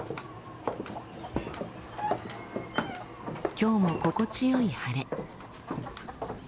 今日も心地よい晴れ。